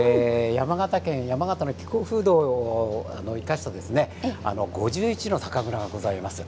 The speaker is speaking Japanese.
山形県の気候風土を生かして５１の酒蔵がございます。